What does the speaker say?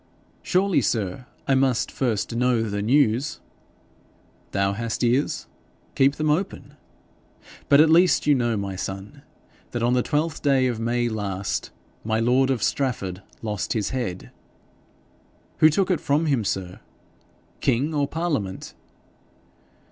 'Surely, sir, I must first know the news.' 'Thou hast ears; keep them open. But at least you know, my son, that on the twelfth day of May last my lord of Strafford lost his head.' 'Who took it from him, sir? King or parliament?'